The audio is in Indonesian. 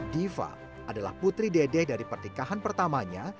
diva adalah putri dedek dari pertikahan pertamanya